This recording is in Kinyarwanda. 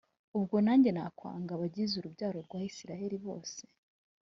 ubwo nanjye nakwanga abagize urubyaro rwa Isirayeli bose